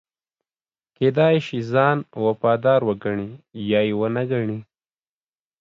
کېدای شي ځان وفادار وګڼي یا یې ونه ګڼي.